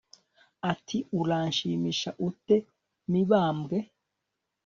ati uranshimisha ute mibambwe